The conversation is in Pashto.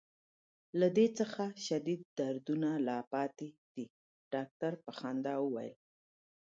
له دې څخه شدید دردونه لا پاتې دي. ډاکټر په خندا وویل.